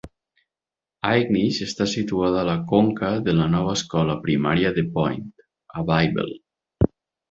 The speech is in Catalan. Aignish està situada a la conca de la nova escola primària de Point, a Bayble.